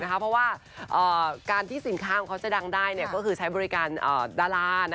เพราะว่าการที่สินค้าของเขาจะดังได้ก็คือใช้บริการดารา